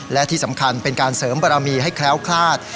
และที่สำคัญเป็นการเสริมบารมีให้แคล้วคลาด